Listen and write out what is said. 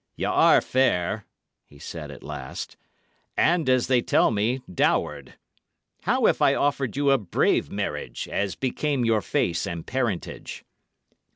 "Ye are fair," he said at last, "and, as they tell me, dowered. How if I offered you a brave marriage, as became your face and parentage?"